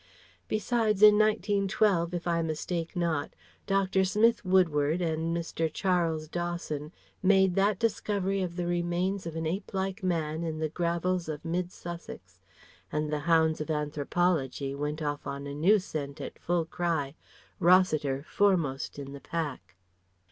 Besides in 1912, if I mistake not, Dr. Smith Woodward and Mr. Charles Dawson made that discovery of the remains of an ape like man in the gravels of mid Sussex; and the hounds of Anthropology went off on a new scent at full cry, Rossiter foremost in the pack.